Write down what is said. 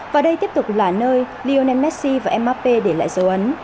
và đây tiếp tục là nơi lionel messi và mbappé để lại dấu ấn